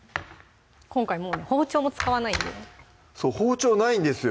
今回もう包丁も使わないんでそう包丁ないんですよ